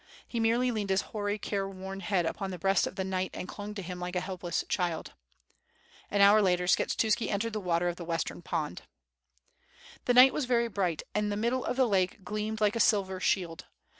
He merely leaned his hoary, careworn head upon the breast of the knight and clung to him like a helpless child. An hour later Skshetuski entered the water of the western pond. The night was very bright and the middle of the lake gleamed like a silver shield.